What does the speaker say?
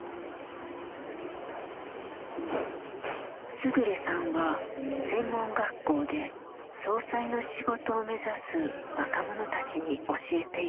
勝さんは専門学校で葬祭の仕事を目指す若者たちに教えている。